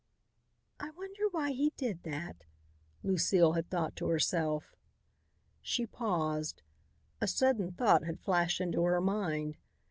"I wonder why he did that," Lucile had thought to herself. She paused. A sudden thought had flashed into her mind.